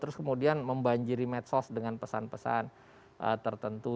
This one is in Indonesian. terus kemudian membanjiri medsos dengan pesan pesan tertentu